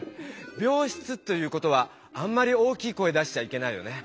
びょう室ということはあんまり大きい声出しちゃいけないよね。